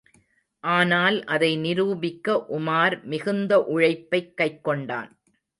ஆனால் அதை நிரூபிக்க உமார் மிகுந்த உழைப்பைக் கைக்கொண்டான்.